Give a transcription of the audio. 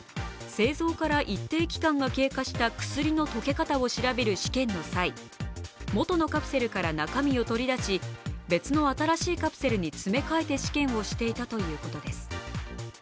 製造から一定期間が経過した薬の溶け方を調べる試験の際、元のカプセルから中身を取り出し、別の新しいカプセルに詰め替えて試験をしていたということです。